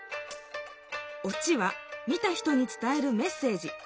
「落ち」は見た人に伝えるメッセージ。